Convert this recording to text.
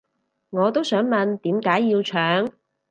我都想問點解要搶